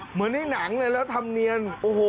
เหมือนที่หนังน่ะแล้วทำเนียน